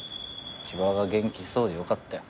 千葉が元気そうでよかったよ。